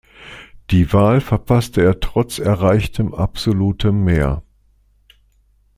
Die Wahl verpasste er trotz erreichtem absolutem Mehr.